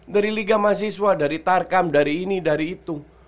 dari liga mahasiswa dari tarkam dari ini dari itu